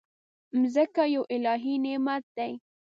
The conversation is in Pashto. مځکه یو الهي نعمت دی.